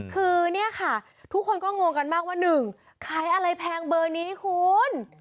คือเนี่ยค่ะทุกคนก็งงกันมากว่า๑ขายอะไรแพงเบอร์นี้คุณ